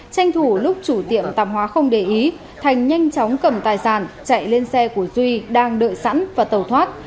tranh thủ lúc chủ tiệm tạp hóa không để ý thành nhanh chóng cầm tài sản chạy lên xe của duy đang đợi sẵn và tàu thoát